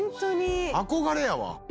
憧れやわ。